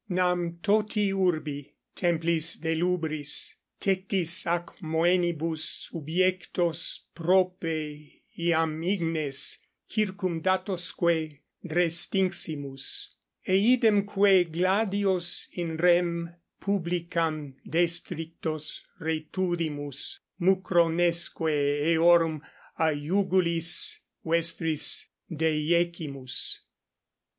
Nam toti urbi, templis delubris, tectis ac moenibus subiectos prope iam ignes circumdatosque restinximus, eidemque gladios in rem publicam destrictos rettudimus mucronesque eorum a iugulis vestris deiecimus.